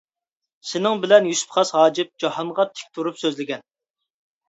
سېنىڭ بىلەن يۈسۈپ خاس ھاجىپ جاھانغا تىك تۇرۇپ سۆزلىگەن.